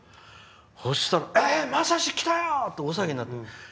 そしたら、まさし来たよ！って大騒ぎなった。